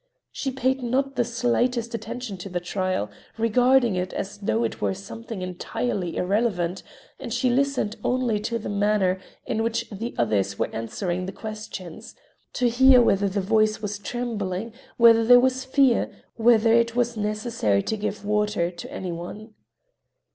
She paid not the slightest attention to the trial, regarding it as though it were something entirely irrelevant, and she listened only to the manner in which the others were answering the questions, to hear whether the voice was trembling, whether there was fear, whether it was necessary to give water to any one.